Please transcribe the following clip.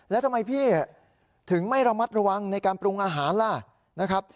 แล้วทำไมพี่ถึงไม่ระมัดระวังในการปรุงอาหารล่ะนะครับ